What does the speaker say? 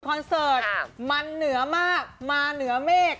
คอนเสิร์ตมันเหนือมากมาเหนือเมฆ